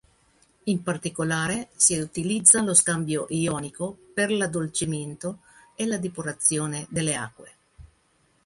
In particolare si utilizza lo scambio ionico per l'addolcimento e la depurazione delle acque.